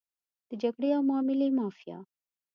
د جګړې او معاملې مافیا.